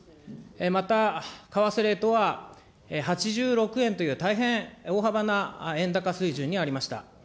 また、為替レートは８６円という、大変大幅な円高水準にありました。